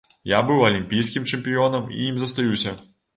Я быў алімпійскім чэмпіёнам і ім застаюся.